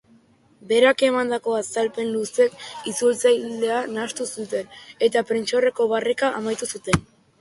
Berak emandako azalpen luzeek itzultzailea nahastu zuten, eta prentsaurrekoa barreka amaitu zuten.